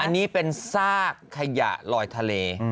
อันนี้เป็นซากขยะลอยทะเล